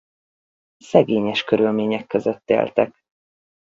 Szegényes körülmények között éltek.